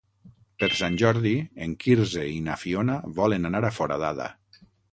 Per Sant Jordi en Quirze i na Fiona volen anar a Foradada.